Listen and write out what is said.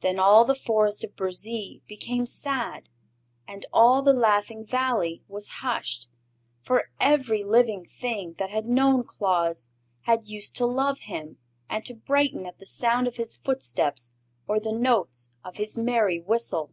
Then all the Forest of Burzee became sad and all the Laughing Valley was hushed; for every living thing that had known Claus had used to love him and to brighten at the sound of his footsteps or the notes of his merry whistle.